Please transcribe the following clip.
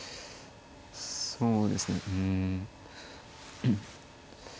そうですねうん。